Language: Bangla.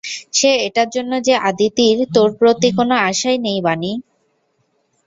সে এটার জন্য যে আদিতির তোর প্রতি কোন আশাই নেই, বানি!